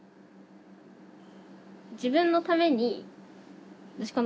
自分のために私